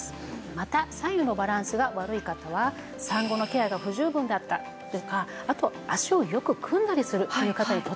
また左右のバランスが悪い方は産後のケアが不十分だったとかあと脚をよく組んだりするという方にとても多いんですね。